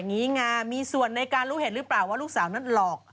งี้งามมีส่วนในการรู้เห็นหรือเปล่าว่าลูกสาวนั้นหลอก